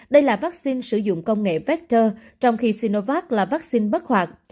đây là vaccine sử dụng công nghệ vector trong khi sinovac là vaccine bất hoạt